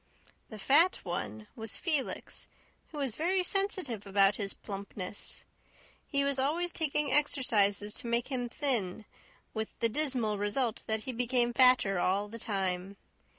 "The fat one" was Felix, who was very sensitive about his plumpness. He was always taking exercises to make him thin, with the dismal result that he became fatter all the time.